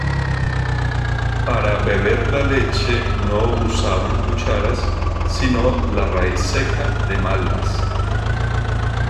Para beber la leche no usaban cucharas sino la raíz seca de malvas.